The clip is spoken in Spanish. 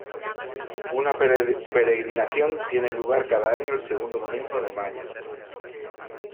Una peregrinación tiene lugar cada año el segundo domingo de mayo.